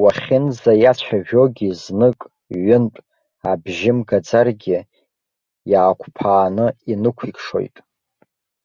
Уахьынӡаиацәажәогьы знык, ҩынтә, абжьы мгаӡаргьы, иаақәԥааны, инықәикшоит.